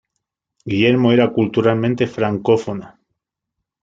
Guillermo era culturalmente francófono.